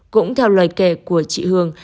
cũng theo lời kể của chị hương